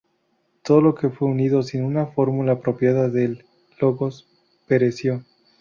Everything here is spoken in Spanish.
Todo lo que fue unido sin una fórmula apropiada del "logos", pereció.